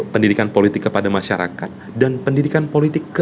pendidikan politik kepada masyarakat dan pendidikan politik